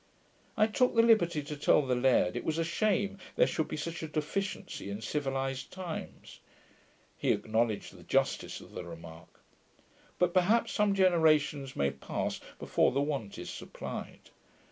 I took the liberty to tell the laird it was a shame there should be such a deficiency in civilized times. He acknowledged the justice of the remark. But perhaps some generations may pass before the want is supplied.